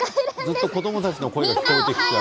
ずっと子どもたちの声が聞こえてきたからね。